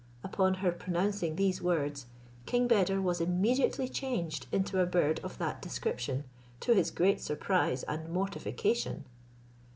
Upon her pronouncing these words, King Beder was immediately changed into a bird of that description, to his great surprise and mortification.